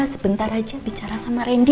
sebentar aja bicara sama randy